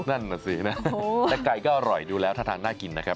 นั่นน่ะสินะแต่ไก่ก็อร่อยดูแล้วท่าทางน่ากินนะครับ